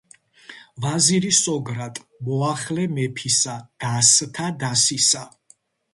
ვაზირი სოგრატ, მოახლე მეფისა დასთა დასისა;